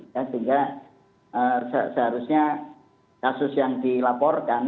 sehingga seharusnya kasus yang dilaporkan